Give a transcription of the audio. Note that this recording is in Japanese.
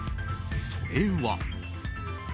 それは。